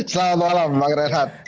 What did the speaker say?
selamat malam bang renat